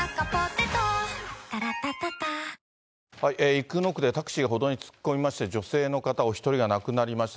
生野区でタクシーが歩道に突っ込みまして、女性の方、お１人が亡くなりました。